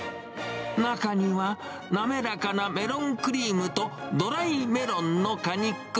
中には滑らかなメロンクリームとドライメロンの果肉。